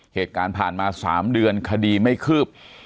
เหตุการณ์ผ่านมา๓เดือนคดีไม่คืบ